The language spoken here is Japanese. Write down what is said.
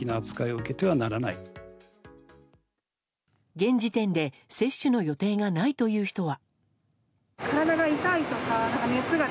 現時点で接種の予定がないという人は。